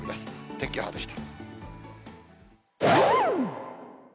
天気予報でした。